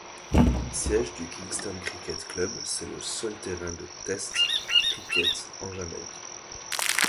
Siège du Kingston Cricket Club., c'est le seul terrain de Test cricket en Jamaïque.